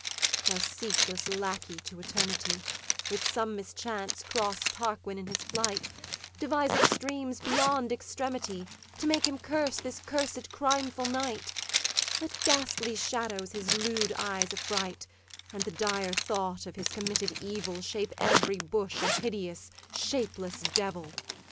'Thou cease!ess lackey to eternity, With some mischance cross Tarquin in his flight: Devise extremes beyond extremity, To make him curse this cursed crimeful night: Let ghastly shadows his lewd eyes affright; And the dire thought of his committed evil Shape every bush a hideous shapeless devil.